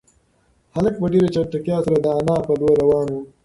هلک په ډېره چټکتیا سره د انا په لور روان و.